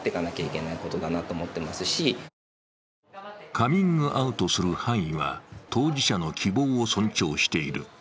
カミングアウトする範囲は当事者の希望を尊重している。